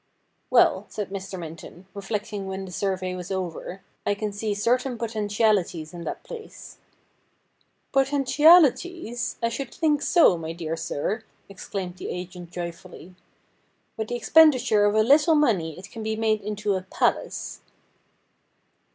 ' Well,' said Mr. Minton, reflecting when the survey was over, ' I can see certain potentialities in that place,' ' Potentialities ! I should think so, my dear sir,' exclaimed the agent joyfully. ' With the expenditure of a little money it can be made into a palace.'